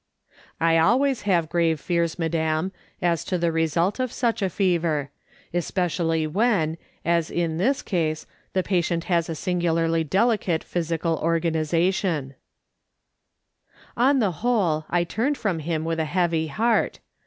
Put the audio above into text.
" I always have grave fears, madam, as to the result of such a fever ; especially when, as in this case, the patient has a singularly delicate physical organisation," On the whole, I turned from him with a heavy heart.